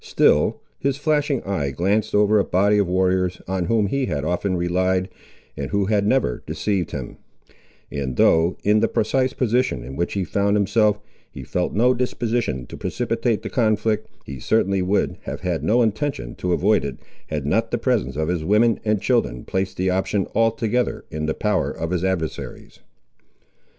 Still, his flashing eye glanced over a body of warriors on whom he had often relied, and who had never deceived him; and though, in the precise position in which he found himself, he felt no disposition to precipitate the conflict, he certainly would have had no intention to avoid it, had not the presence of his women and children placed the option altogether in the power of his adversaries.